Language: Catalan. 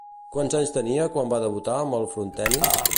Quants anys tenia quan va debutar amb el frontenis?